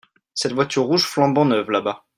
Cette voiture rouge flambant neuve là-bas.